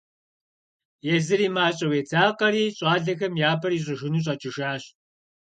Езыри мащӀэу едзакъэри, щӀалэхэм я пӀэр ищӀыжыну щӀэкӀыжащ.